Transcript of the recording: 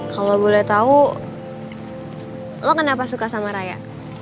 kalau boleh tahu lo kenapa suka sama raya